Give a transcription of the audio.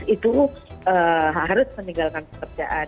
itu harus meninggalkan pekerjaan